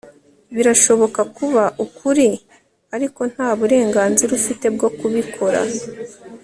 birashobora kuba ukuri ariko nta burenganzira ufite bwo kubikora